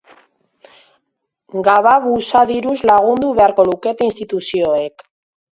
Gababusa diruz lagundu beharko lukete instituzioek.